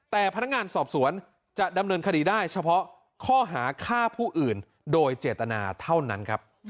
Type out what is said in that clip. แต่พนักงานสอบสวนจะดำเนินคดีได้เฉพาะข้อหาฆ่าผู้อื่นโดยเจตนาเท่านั้นครับ